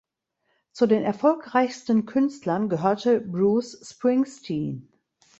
Zu den erfolgreichsten Künstlern gehörte Bruce Springsteen.